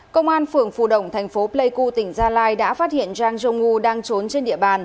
công an phường phù động thành phố pleiku tỉnh gia lai đã phát hiện zhang zhongwu đang trốn trên địa bàn